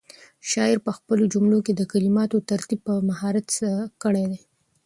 شاعر په خپلو جملو کې د کلماتو ترتیب په مهارت کړی دی.